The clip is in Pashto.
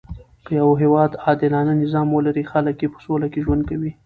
که يو هیواد عادلانه نظام ولري؛ خلک ئې په سوله کښي ژوند کوي.